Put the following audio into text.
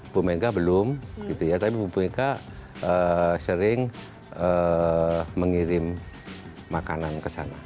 bumega belum tapi bumega sering mengirim makanan ke sana